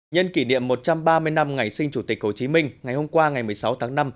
nhân kỷ niệm một trăm ba mươi năm ngày sinh chủ tịch hồ chí minh ngày hôm qua ngày một mươi sáu tháng năm